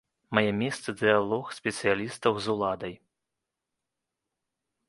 Мае месца дыялог спецыялістаў з уладай.